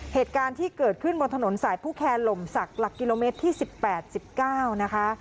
เหตุการณ์ที่เกิดขึ้นบนถนนสายผู้แคร์หล่มศักดิ์หลักกิโลเมตรที่๑๘๑๙นะคะ